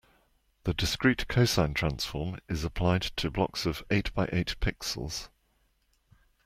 The discrete cosine transform is applied to blocks of eight by eight pixels.